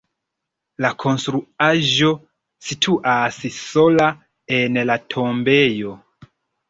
La konstruaĵo situas sola en la tombejo.